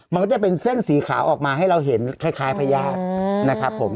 มันก็จะเป็นเส้นสีขาวออกมาให้เราเห็นคล้ายพญาตินะครับผม